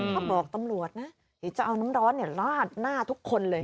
ก็บอกตำรวจนะเดี๋ยวจะเอาน้ำร้อนลาดหน้าทุกคนเลย